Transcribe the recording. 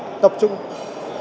nhưng tập trung là gì